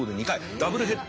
ダブルヘッダー